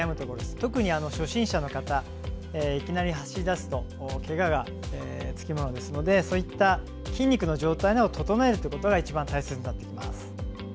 特に初心者の方いきなり走り出すとけががつきものですのでそういった筋肉の状態を整えるということが一番大切になってきます。